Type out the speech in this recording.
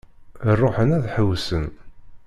Ruḥen ad ḥewwsen.